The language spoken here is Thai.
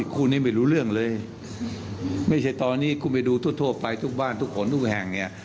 คู่นี้ไม่รู้เรื่องเลยไม่ใช่ตอนนี้คุณไปดูทั่วไปทุกบ้านทุกคนทุกแห่งเนี่ย